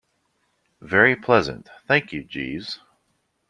Very pleasant, thank you, Jeeves.